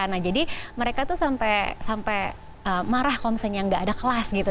nah jadi mereka tuh sampai marah kalau misalnya nggak ada kelas gitu